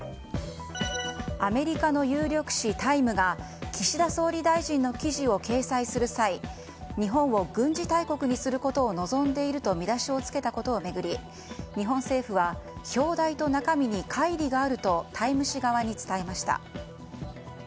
アメリカの有力誌「タイム」が岸田総理大臣の記事を掲載する際日本を軍事大国にすることを望んでいると見出しを付けたことを巡り日本政府は表題と中身に乖離があると「タイム」誌側に伝えました。